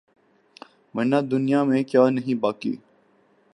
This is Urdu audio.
ورنہ دنیا میں کیا نہیں باقی